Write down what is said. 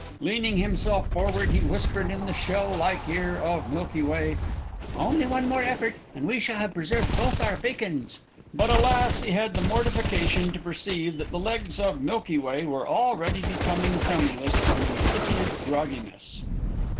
Leaning himself forward, he whispered in the shell like ear of Milky Way: "Only one more effort, and we shall have preserved both our bacons!" But, alas! he had the mortification to perceive that the legs of Milky Way were already becoming tremulous from incipient grogginess.